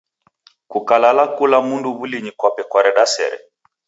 Kulala kula mndu w'ulinyi kwape kwareda sere.